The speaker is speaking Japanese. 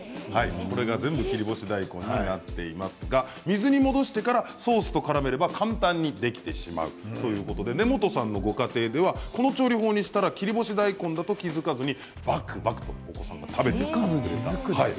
これが切り干し大根になっていますが水に戻してからソースとからめれば簡単にできてしまうということで根本さんのご家庭ではこの調理法にしたら切り干し大根だと気付かずにばくばくとお子さんが食べてくれたそうです。